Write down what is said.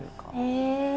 へえ！